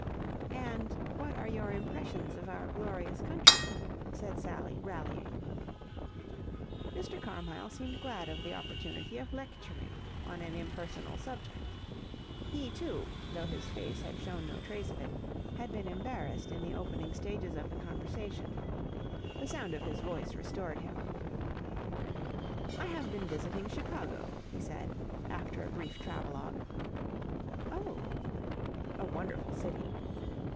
"And what are your impressions of our glorious country?" said Sally rallying. Mr. Carmyle seemed glad of the opportunity of lecturing on an impersonal subject. He, too, though his face had shown no trace of it, had been embarrassed in the opening stages of the conversation. The sound of his voice restored him. "I have been visiting Chicago," he said after a brief travelogue. "Oh!" "A wonderful city."